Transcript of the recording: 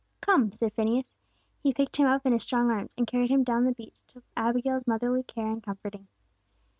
"Come!" said Phineas. He picked him up in his strong arms, and carried him down the beach to Abigail's motherly care and comforting.